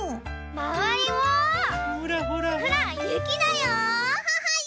まわりもほらゆきだよ！